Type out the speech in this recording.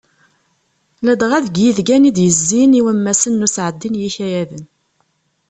Ladɣa deg yidgan i d-yezzin i wammasen n usɛeddi n yikayaden.